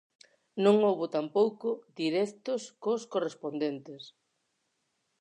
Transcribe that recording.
Non houbo tampouco directos cos correspondentes.